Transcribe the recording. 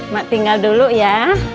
mak tinggal dulu ya